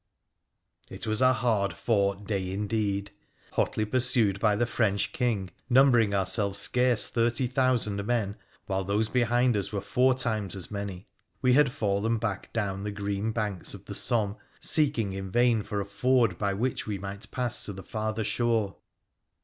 It was a hard fought day indeed ! Hotly pursued by the French King, numbering ourselves scarce thirty thousand men, while those behind us were four times as many, we had fallen back down the green banks of the Somme, seeking in vain for a ford by which we might pass to the farther shore.